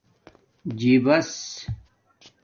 جیباس